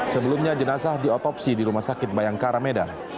sebelumnya jenazah diotopsi di rumah sakit bayangkara medan